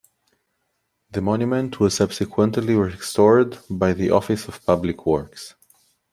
The monument was subsequently restored by the Office of Public Works.